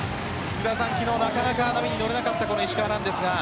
昨日は、なかなか波に乗れなかった石川ですが。